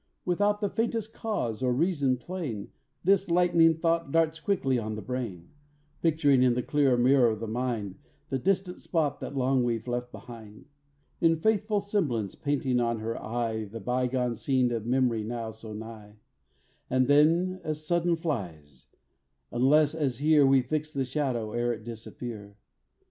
Without the faintest cause or reason plain, This lightning thought darts quickly on the brain, Picturing in the clear mirror of the mind The distant spot that long we've left behind, In faithful semblance painting on her eye The bygone scene to mem'ry now so nigh, And then as sudden flies, unless as here, We fix the shadow e'er it disappear.